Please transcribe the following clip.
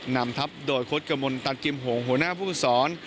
นำทัพโดยโคตรกำลังตัดกิมห่วงหัวหน้าผู้สอน